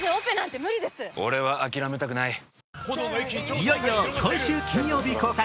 いよいよ今週金曜日公開